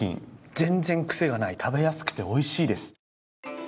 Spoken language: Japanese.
全然、くせがない食べやすくて、おいしいです。